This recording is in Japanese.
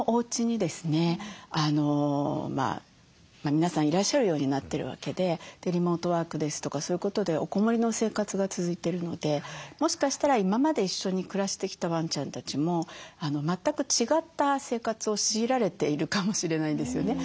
皆さんいらっしゃるようになってるわけでリモートワークですとかそういうことでおこもりの生活が続いてるのでもしかしたら今まで一緒に暮らしてきたワンちゃんたちも全く違った生活を強いられているかもしれないですよね。